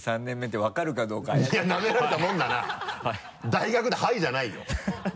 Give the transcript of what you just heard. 大学で「はい」じゃないよ。ハハハ